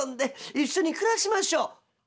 一緒に暮らしましょう」。